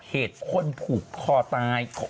เหตุคนผูกคอตาย